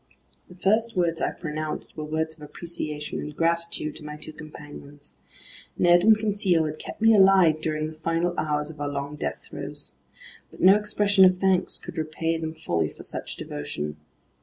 The first words I pronounced were words of appreciation and gratitude to my two companions. Ned and Conseil had kept me alive during the final hours of our long death throes. But no expression of thanks could repay them fully for such devotion.